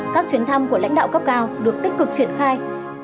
các chuyến thăm của lãnh đạo cấp cao được tích cực triển khai